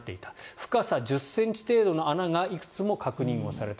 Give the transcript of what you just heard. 深さ１０ｃｍ程度の穴がいくつも確認された。